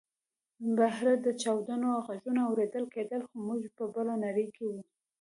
بهر د چاودنو غږونه اورېدل کېدل خو موږ په بله نړۍ کې وو